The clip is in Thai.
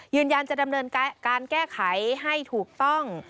ยืนยันจะดำเนินการแก้ไขให้ถูกต้อง